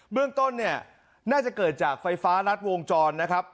เรื่องต้นเนี่ยน่าจะเกิดจากไฟฟ้ารัดวงจรนะครับ